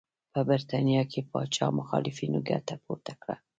په برېټانیا کې پاچا مخالفینو ګټه پورته کړه.